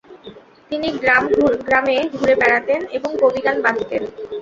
তিনি গ্রাম গ্রামে ঘুরে বেড়াতেন এবং কবিগান বাঁধতেন।